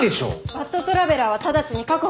バッドトラベラーは直ちに確保しないと。